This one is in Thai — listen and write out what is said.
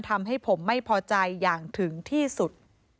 ทำให้ผมไม่พอใจอย่างถึงที่สุด